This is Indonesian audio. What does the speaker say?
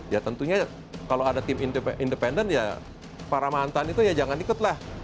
ya tentunya kalau ada tim independen ya para mantan itu ya jangan ikut lah